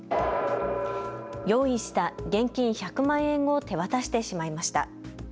用意した現金１００万円を手渡してしまいました。